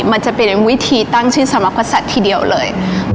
มันจะเป็นวิธีตั้งชื่อสำหรับกษัตริย์ทีเดียวเลย